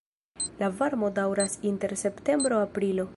La varmo daŭras inter septembro-aprilo.